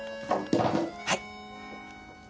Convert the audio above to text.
はい。